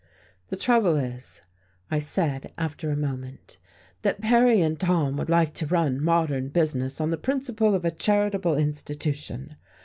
"The trouble is," I said after a moment, "that Perry and Tom would like to run modern business on the principle of a charitable institution.